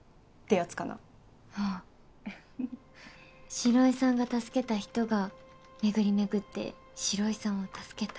城井さんが助けた人が巡り巡って城井さんを助けた。